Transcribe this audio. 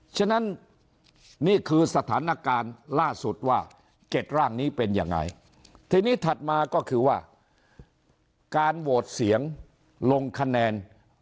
ฉะนั้นนี่คือสถานการณ์ล่าสุดว่า๗ร่างนี้เป็นยังไงทีนี้ถัดมาก็คือว่าการโหวตเสียงลงคะแนน